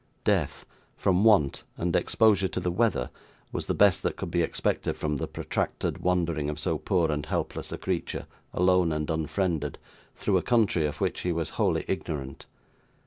Death, from want and exposure to the weather, was the best that could be expected from the protracted wandering of so poor and helpless a creature, alone and unfriended, through a country of which he was wholly ignorant.